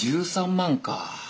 １３万か。